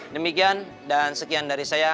demikian dan sekian dari saya